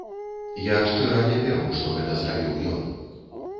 Я шчыра не веру, што гэта зрабіў ён.